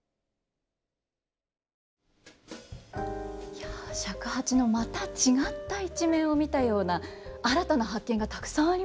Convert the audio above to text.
いや尺八のまた違った一面を見たような新たな発見がたくさんありました。